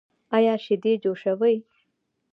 ایا شیدې جوشوئ؟